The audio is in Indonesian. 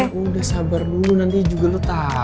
ya udah sabar dulu nanti juga lo tau